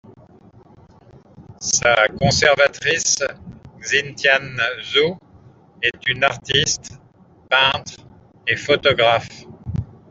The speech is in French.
Sa conservatrice, Xintian Zhu, est une artiste, peintre et photographe.